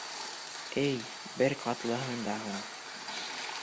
Эй, бер ҡатлыһың да һуң!